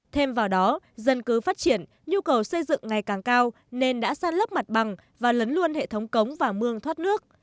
thêm vào đó dân cứ phát triển nhu cầu xây dựng ngày càng cao nên đã săn lấp mặt bằng và lấn luôn hệ thống cống và mương thoát nước